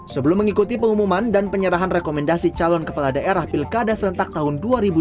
sebelum mengikuti pengumuman dan penyerahan rekomendasi calon kepala daerah pilkada serentak tahun dua ribu dua puluh